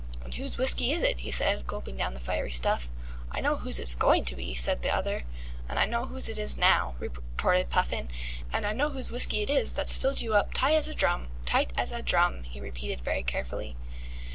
"And whose whisky is it?" he said, gulping down the fiery stuff. "I know whose it's going to be," said the other. "And I know whose it is now," retorted Puffin, "and I know whose whisky it is that's filled you up ti' as a drum. Tight as a drum," he repeated very carefully.